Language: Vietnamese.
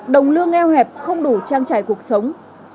đồng lương eo hẹp không đủ trang trải cuộc sống